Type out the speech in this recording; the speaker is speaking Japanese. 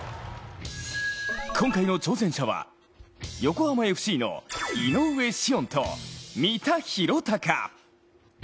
今回の挑戦者は、横浜ＦＣの井上潮音と、三田啓貴。